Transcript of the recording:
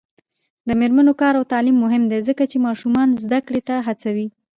د میرمنو کار او تعلیم مهم دی ځکه چې ماشومانو زدکړې ته هڅوي.